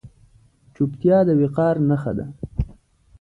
چوپتیا، د وقار نښه ده.